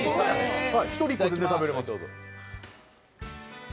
１人１個全然食べれます。